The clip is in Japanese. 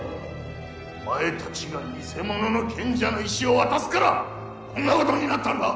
お前達が偽物の賢者の石を渡すからこんなことになったんだ！